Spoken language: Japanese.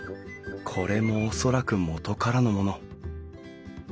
これも恐らく元からのもの。